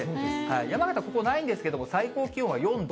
山形、ここないんですけど、最高気温は４度。